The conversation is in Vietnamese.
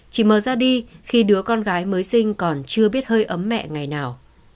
chị m ra đi khi đứa con gái mới sinh còn chưa biết hơi ấm mẹ ngày nào